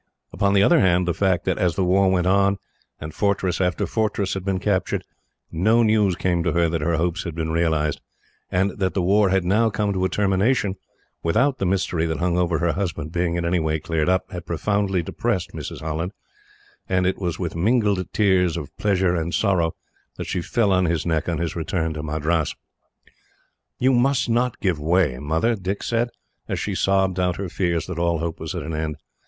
Upon the other hand, the fact that, as the war went on, and fortress after fortress had been captured, no news came to her that her hopes had been realised; and that the war had now come to a termination, without the mystery that hung over her husband being in any way cleared up, had profoundly depressed Mrs. Holland, and it was with mingled tears of pleasure and sorrow that she fell on his neck on his return to Madras. "You must not give way, Mother," Dick said, as she sobbed out her fears that all hope was at an end.